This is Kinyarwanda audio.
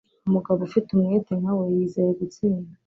Umugabo ufite umwete nka we, yizeye gutsinda.